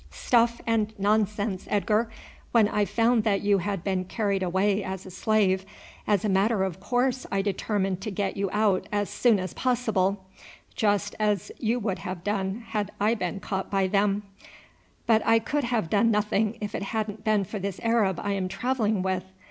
"Stuff and nonsense, Edgar! When I found that you had been carried away as a slave, as a matter of course I determined to get you out as soon as possible, just as you would have done had I been caught by them; but I could have done nothing if it hadn't been for this Arab I am travelling with.